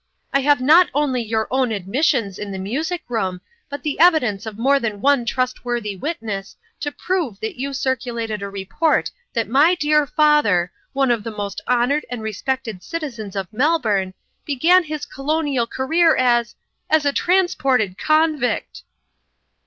" I have not only your own admissions in the music room, but the evidence of more than one trustworthy witness, to prove that you circulated a report that my dear father one of the most honored and respected citizens of Melbourne began his Colonial career as as a transported convict